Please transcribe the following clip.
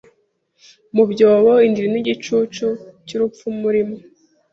Mubyobo indiri nigicucu cyurupfu murimo